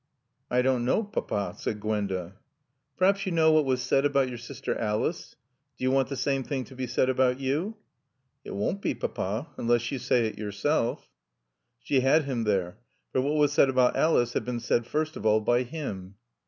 "I don't know, Papa," said Gwenda. "Perhaps you know what was said about your sister Alice? Do you want the same thing to be said about you?" "It won't be, Papa. Unless you say it yourself." She had him there; for what was said about Alice had been said first of all by him.